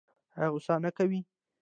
ایا غوسه نه کوي؟